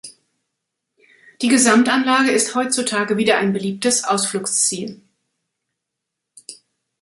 Die Gesamtanlage ist heutzutage wieder ein beliebtes Ausflugsziel.